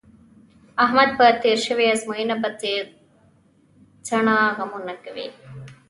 احمد په تېره شوې ازموینه پسې څټه غمونه کوي.